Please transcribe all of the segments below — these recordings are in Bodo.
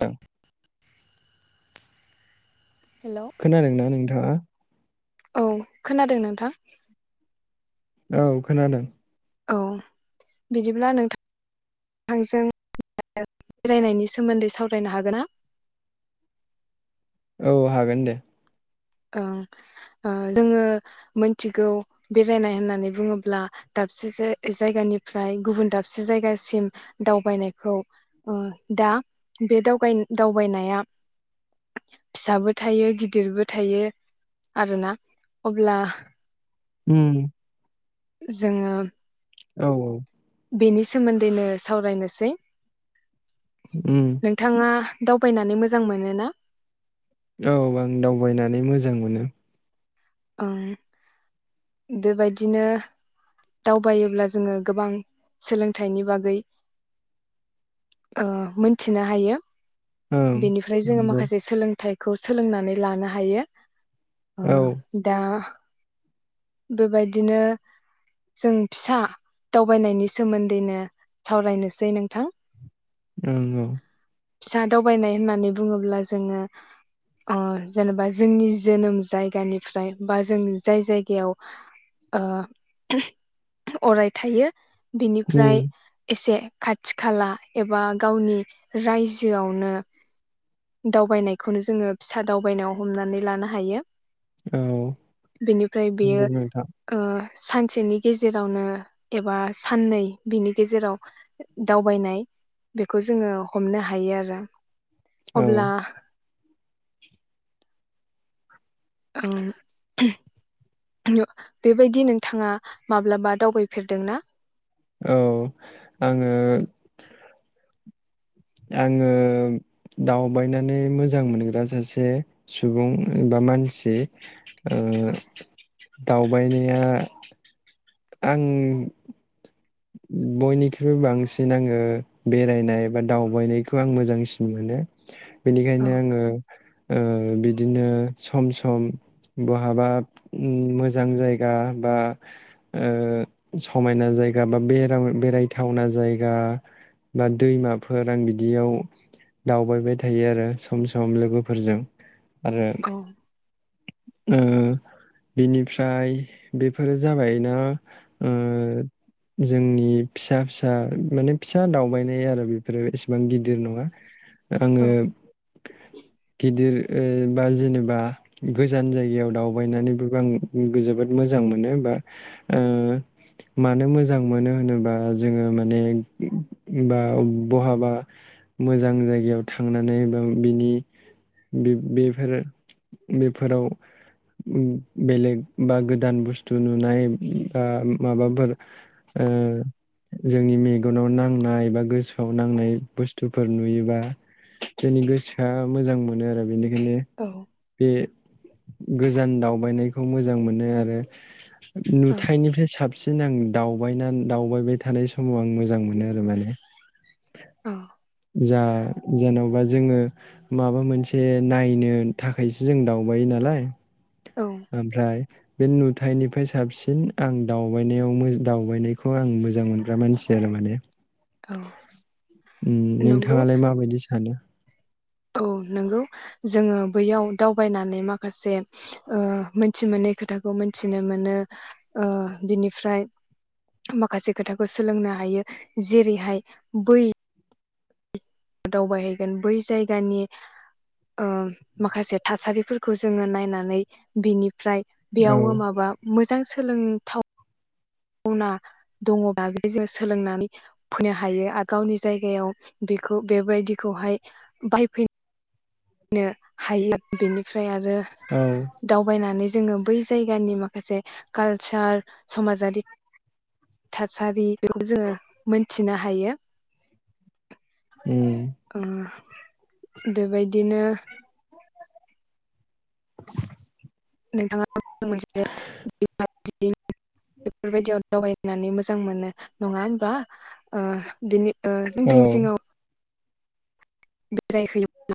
औ हेलौ खोनादोंना नोंथाङा औ खोनादों नोंथां औ खोनादों। औ बिदिब्ला नोंथां नोंथांजों बेरायनायनि सोमोन्दै सावरायनो हागोन ना? औ हागोन दे ओ ओ जोङो मिथिगौ बेरायनाय होननानै बुङोब्ला दाबसे जायगानिफ्राय गुबुन दाबसे जायगासिम दावबायनायखौ दा बे दावबायनाया फिसाबो थायो गिदिरबो थायो आरोना अब्ला। ओम जोङो औ औ बेनि सोमोन्दैनो सावरायनोसै उम नोंथाङा दावबायनानै मोजां मोनो ना। औ आं दावबायनानै मोजां मोनो। ओ बेबायदिनो दावबायोब्ला जोङो गोबां सोलोंथाइनि बागै ओ मोनथिनो हायो। ओं बेनिफ्राय जोङो नंगौ माखासे सोलोंथाइ। खौ सोलोंनानै लानो हायो। अ औ दा बेबायदिनो जों फिसा दावबायनायनि सोमोन्दैनो सावरायनोसै नोंथां। ओं औ। फिसा दावबायनाय होननानै बुङोब्ला जोङो अ जेनेबा जोंनि जोनोम जायगानिफ्राय बा जों जाय जायगायाव ओ अराय थायो। उम बिनिफ्राय एसे खाथि खाला एबा गावनि रायजोआवनो दावबायनायखौनो जोङो फिसा दावबायनायाव हमनानै लानो हायो औ बेनिफ्राय बेयो नंगौ नोंथां ओ सानसेनि गेजेरावनो एबा साननै बिनि गेजेराव दावबायनाय बेखौ जोङो हमनो हायो आरो औ अब्ला ओं [unintelligible] नो बेबायदि नोंथाङा माब्लाबा दावबायफेरदोंना? औ आङो आङो दावबायनानै मोजां मोनग्रा सासे सुबुं बा मानसि ओ [unintelligible] दावबायनाया आं बयनिख्रुइ बांसिन आङो बेरायनाय बा दावबायनायखौ आं मोजांसिन मोनो औ बिनिखायनो आङो ओ बिदिनो सम सम बहाबा उम मोजां जायगा बा ओ समायना जाय गाबा बेराव बेरायथावना जायगा बा दैमाफोर आं बिदियाव दावबायबाय थायो आरो सम सम लोगोफोरजों आरो औ ओ बिनिफ्राय बेफोरो जाबाय ना ओ जोंनि फिसा फिसा माने फिसा दावबायनाय आरो बेफोरो एसेबां गिदिर नङा औ आङो गिदिर ओ बा जिनेबा गोजान जायगायाव दावबायनानैबो आं जोबोद मोजां मोनो बा ओ मानो मोजां मोनो होनोबा जोङो माने बा बहाबा मोजां जायगायाव थांनानै बा बिनि बे बेफोर बेफोराव बेलेग बा गोदान बुस्थु नुनाय बा माबाफोर ओ जोंनि मेगनाव नांनाय बा गोसोआव नांनाय बुस्थुफोर नुयोबा जोंनि गोसोआ मोजां मोनो आरो बिनि खायनो औ बे गोजान दावबायनायखौ मोजां मोनो आरो औ नुथायनिफ्राय साबसि [unintelligible] दावबायनान दावबाय बाय थानाय समाव आं मोजां मोनो आरो माने जा जेन' बा जोङो माबा मोनसे नायनो थाखायसो जों दावबायो नालाय औ ओमफ्राय बे नुथायनिफाय साबसिन आं दावबायनायाव मो दावबायनायखौ आं मोजां मोनग्रा मानसि आरो माने औ उम नंगौ नोंथाङालाय माबायदि सानो? औ नोंगौ जोङो बैयाव दावबायनानै माखासे ओ मोनथि मोनै खोथाखौ मोनथिनो मोनो ओ बिनिफ्राय माखासे खोथाखौ सोलोंनो हायो जेरैहाय बै दावबायहैगोन बै जायगानि ओ माखासे थासारिफोर खौ जोङो नायनानै बिनिफ्राय औ बेयावो माबा मोजां सोलों थाव वना दङबा बे जों सोलोंनानै फैनो हायो आ गावनि जायगायाव बिखौ बेबायदिखौहाय बायफै नो हायो आ बेनिफ्राय आर रो औ दावबायनानै जोङो बै जायगानि माखासे कालचार समाजारि थासारि बेखौ जोङो मोनथिनो हायो उम ओ बेबायदिनो [inaudible] नोंथाङा आ मोनसे [unintelligible] बेफोरबायदियाव दावबायनानै मोजां मोनो नङा होमबा ओ बिनि ओ नों औ दैमा जिङाव बेराय हैयोब्ला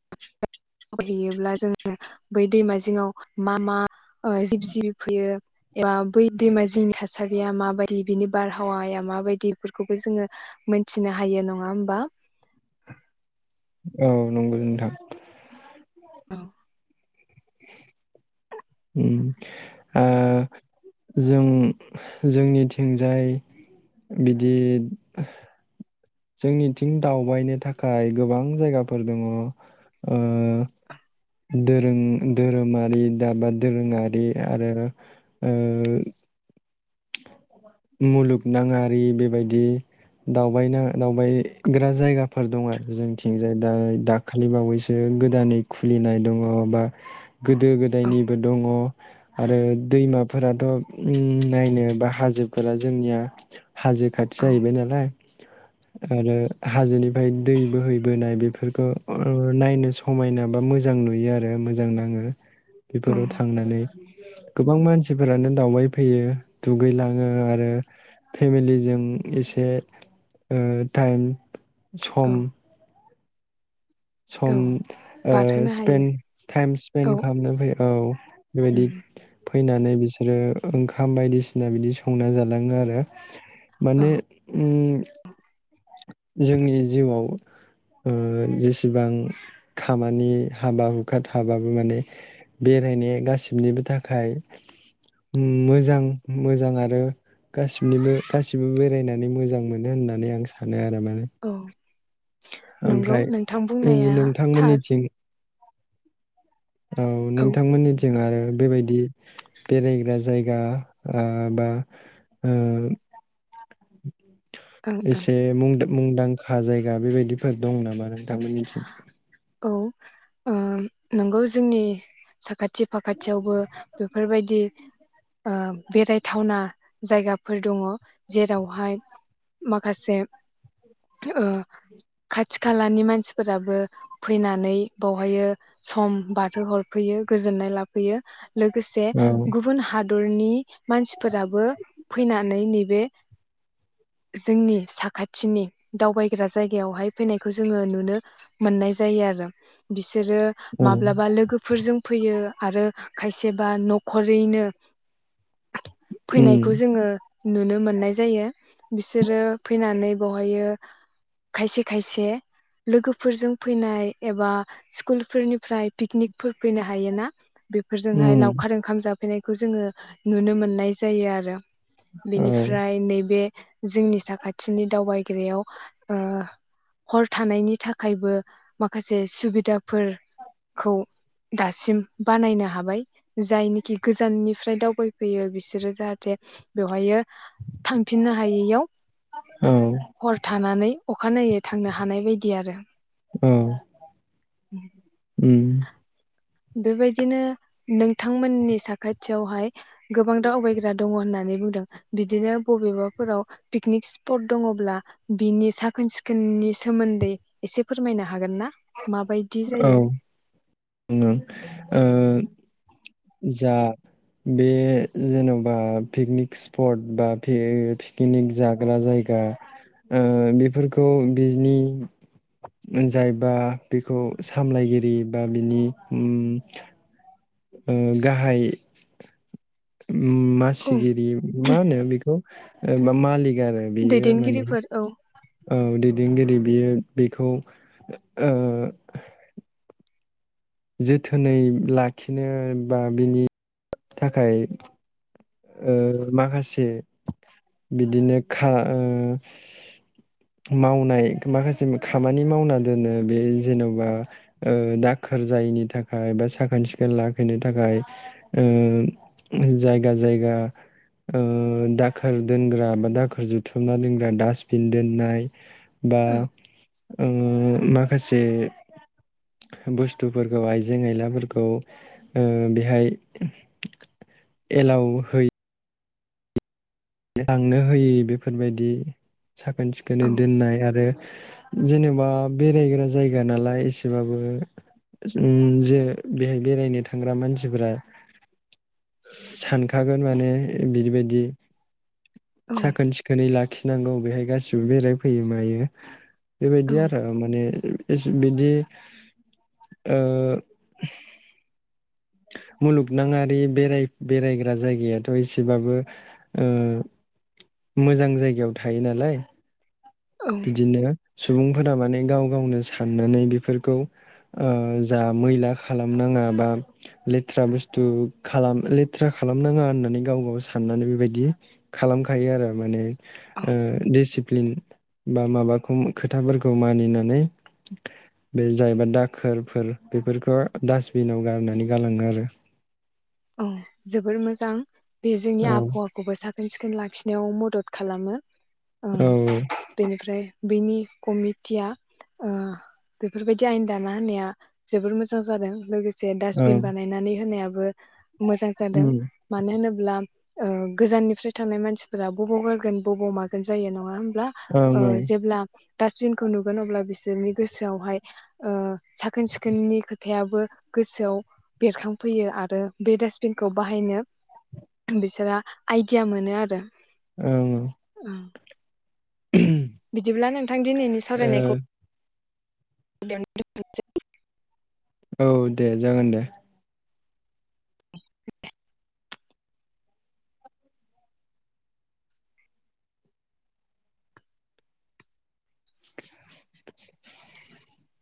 बेराय हैयोब्ला जोङो बै दैमा जिङाव मा मा अ जिब जिबि फैयो एबा बै दैमा जिनि थासारिया माबायदि बिनि बारहावाया माबायदि बेफोरखौबो जोङो मोनथिनो हायो नङा होमबा औ नंगौ नोंथां ओम ओ जों जोंनिथिंजाय बिदि जोंनिथिं दावबायनो थाखाय गोबां जायगाफोर दङ ओ दोरों धोरोमारि दाबा दोरोङारि आरो ओ मुलुगनााङारि बेबायदि दावबायनो दावबायग्रा जायगाफोर दङ आरो जोंथिंजाय दा दाखालि बावैसो गोदानै खुलिनाय दङ बा गोदो औ गोदायनिबो दङ आरो दैमाफोराथ' नायनो बा हाजोब फोरा जोंनिया हाजो खाथि औ जाहैबाय नालाय आरो हाजोनिफ्राय दै बोहैबोनाय बेफोरखौ ओ नायनो समायना बा मोजां नुयो आरो मोजां नाङो औ बेफोराव थांनानै गोबां मानसिफोरानो दावबाय फैयो दुगैलां ओ आरो फेमिलिजों एसे ओ टाइम औ सम औ सम बारहोनो स्पेन हायो टाइम औ स्पेन्ड खालामनो फै औ बेबायदि उम फैनानै नै बिसोरो ओंखाम बायदिसिना बिदि संना जालाङो आरो औ माने उम जोंनि जिउआव ओ जेसे बिबां खामानि हाबा हुखा थाबाबो माने बेरायनाया गासिनिबो थाखाय मोजां मोजां आरो गासिनिबो गासिबो बेरायनानै मोजां मोनो होननानै आं सानो आरो मा बे औ नंगौ ओमफ्राय नोंथां ओ बुंनाया थार नोंथांमोननिथिं औ नोंथांमोननिथिं आरो बेबायदि बेरायग्रा जायगा ओ बा ओ ओं एसे मुंदां मुंदांखा जायगा बेबायदिफोर दं नामा नोंथांमोननिथिं औ ओ नंगौ जोंनि साखाथि फाखाथियावबो बेफोरबायदि ओ बेरायथावना जायगाफोर दङ जेरावहाय माखासे ओ खाथि खालानि मानसि फोराबो फैनानै बावहाय सम बारो हरफैयो गोजोननाय लाफैयो। लोगोसे औ गुबुन हाद दरनि मानसिफोराबो फैनानै नैबे जोंनि साखाथिनि दावबायग्रा जायगायावहाय फैनायखौ जोङो नुनो मोननाय जायो आरो बिस बिसोरो औ माब्लाबा लोगोफोरजों फैयो आरो खायसेबा न'खरैनो। उम फैनायखौ जोङो। नुनो मोननाय जायो बिसोरो फैनानै बेवहायो खायसे खायसे लोगोफोरजों फैनाय एबा स्कुलफोरनिफ्राय पिकनिकफोर फैनो हायोना। बेफोरजोंहाय उम लावखार ओंखाम जाब फैनायखौ जोङो। नुनो मोननाय जायो आरो। रो औ बेनिफ्राय नैबे जोंनि साखाथिनि दावबायग्रयाव ओ हर थानायनि थाखायबो माखासे सुबिदाफोरखौ दासिम बानायनो हाबाय जायनिखि गोजाननिफ्राय दावबायफैयो बिसोरो जाहाथे बेवहायो। थांफिननो हायैयाव औ हर थानानै अख अखानायै थांनो हानाय बायदि। बिदि आरो औ उम बेबायदिनो नोंथांमोननि साखाथियावहाय गोबां दावबायग्रा दङ होननानै बुंदों बिदिनो बबेबाफोराव पिकनिक स्पट दङब्ला बिनि साखोन सिखोननि सोमोन्दै एसे फोरमायनो हागोन ना? माबायदि औ जायो। ओ जा बे जेन'बा पिकनिक स्पट बा पि पिकनिक जाग्रा जायगा ओ बेफोरखौ बिनि जायबा। बेखौ सामलायगिरि बा बिनि उम ओ गाहाय औ मासिगिरि मा होनो बेखौ मालिक आरो बेयो माने दैदेनगिरिफोर औ औ दै दैदेनगिरि बियो बेखौ ओ जोथोनै लाखिनो बा बिनि थाखाय ओ माखासे बिदिनो खा ओ मावनाय माखासे खामानि मावना दोनो बे जेन'बा ओ दाखोर जायैनि थाखाय बा साखोन सिखोन लाखिनो थाखाय। ओ जायगा जायगा ओ दाखोर दोनग्रा बा दाखोर जुथुमना दोनग्रा डास्टबिन दोननाय बा औ ओ माखासे बुस्थुफोरखौ आइजें आयलाफोरखौ ओ बेहाय एलाव होय लांनो होयै बेफोरबायदि साखोन सिखोनै औ दोननाय आरो जेनेबा बेरायग्रा जायगा नालाय एसेबाबो उम जे बेहाय बेरायनो थांग्रा मानसिफोरा सानखागोन माने बिदि बायदि। साखोन सिखोनै लाख खिनांगौ बेहाय गासिबो बेरायफैयो मायो। औ बेबायदि आरो माने एस बिदि ओ मुलुगनाङारि बेराय बेरायग्रा जायगायाथ' एसेबाबो ओ मोजां जायगायाव थायो नालाय। औ बिदिनो सुबुंफोरा माने गाव गावनो साननानै बिफोरखौ ओ जा मैला खालामनाङा बा लेथ्रा बुस्थु खालाम लेथ्रा खालामनाङा होननानै गाव गाव साननानै बेबायदि खालामखायो आरो माने औ ओ देसिब फ्लिन बा माबाखौ खम खोथाफोरखौ मानिनानै बे जायबा दाखोरफोर बेफोरखो डास्टबिनाव गारनानै गालाङो आरो। औ जोबोर मोजां। बे जोंनि औ आबहावाखौबो साखोन सिखोन लाखिनायाव मद दद खालामो। ओं औ बेनिफ्राय बेनि कमिटिया ओ बेफोरबायदि आयेन दाना होनाया जोबोर मोजां जादों लोगो जे औ डासबिन बानायनानै होनाया मोजां जादों ओं मानो होनोब्ला ओ गोजाननिफ्राय थांनाय मानसिफोरा बबाव गारगोन बबाव मागोन जायो नङा होम ब्ला ओं ओ ओं जेब्ला डास्टबिनखौ नुगोन अब्ला बिसोरनि गोसोआवहाय ओ साखोन सिखोननि खोथायाबो गोसोआव बेरखांफैयो आरो बे डास्टबिनखौ बाहायनो बिसोरहा आइडिया मोनो आरो। ओं औ। उम बिदिब्ला नोंथां दिनैनि ओ सावरायनायखौ बेयावनो दोनथ'नसै। औ दे जागोन दे। [inaudible]